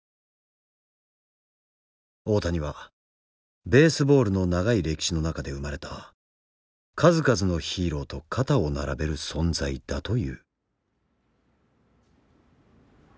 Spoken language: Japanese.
大谷はベースボールの長い歴史の中で生まれた数々のヒーローと肩を並べる存在だという。